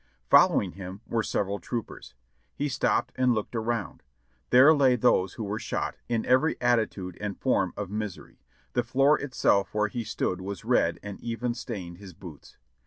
Following him were several troopers. He stopped and looked around ; there lay those who were shot, in every attitude and form of misery ; the fioor itself where he stood was red and even stained his boots.